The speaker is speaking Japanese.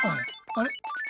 あれ？